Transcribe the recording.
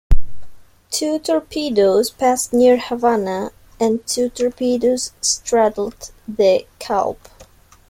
Two torpedoes passed near "Havana" and two torpedoes straddled "DeKalb".